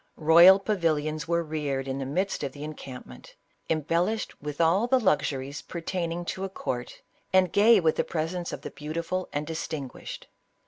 Royal pavilions were reared in the midst of the encampment, embel lished with all the luxuries pertaining to a court, and gay with the presence of the beautiful and distin guished.